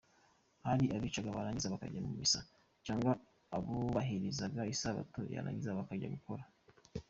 Hari abicaga barangiza bakajya mu misa, cyangwa abubahirizaga Isabato yarangira bakajya “gukora”.